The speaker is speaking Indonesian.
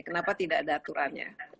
kenapa tidak ada aturannya